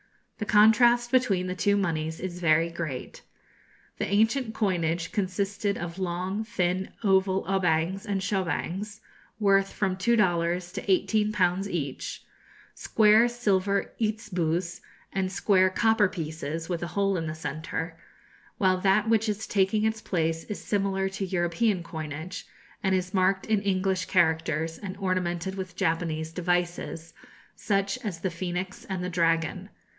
The contrast between the two moneys is very great. The ancient coinage consisted of long thin oval obangs and shobangs, worth from two dollars to eighteen pounds each, square silver itzeboos, and square copper pieces, with a hole in the centre; while that which is taking its place is similar to European coinage, and is marked in English characters, and ornamented with Japanese devices, such as the phoenix and the dragon.